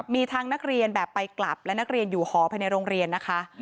มีทั้งนักเรียนแบบไปกลับและนักเรียนอยู่หอภายในโรงเรียนนะคะ